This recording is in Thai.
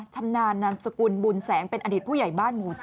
ชำนาญนามสกุลบุญแสงเป็นอดีตผู้ใหญ่บ้านหมู่๔